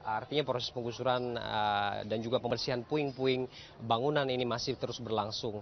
artinya proses penggusuran dan juga pembersihan puing puing bangunan ini masih terus berlangsung